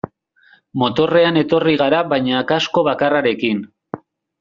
Motorrean etorri gara baina kasko bakarrarekin.